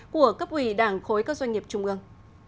của cấp quỳ đảng khối doanh nghiệp trung ương